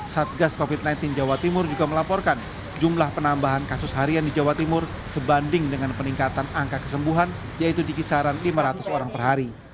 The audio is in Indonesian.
satgas covid sembilan belas jawa timur juga melaporkan jumlah penambahan kasus harian di jawa timur sebanding dengan peningkatan angka kesembuhan yaitu di kisaran lima ratus orang per hari